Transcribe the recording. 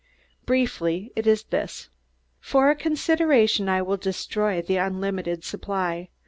Briefly it is this: For a consideration I will destroy the unlimited supply.